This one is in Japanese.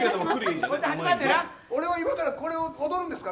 俺は、今から踊るんですか？